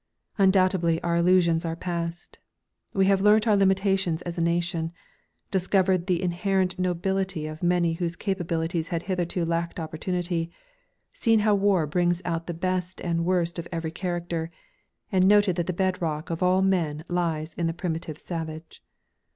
Undoubtedly our illusions are past. We have learnt our limitations as a nation; discovered the inherent nobility of many whose capacities had hitherto lacked opportunity, seen how war brings out the best and the worst of every character, and noted that at the bed rock of all men lies the primitive savage.